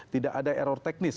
tidak ada error teknis